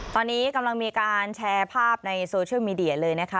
ตอนนี้กำลังมีการแชร์ภาพในโซเชียลมีเดียเลยนะคะ